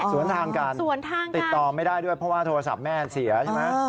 สวนทางกันติดต่อไม่ได้ด้วยเพราะว่าโทรศัพท์แม่เสียใช่ไหม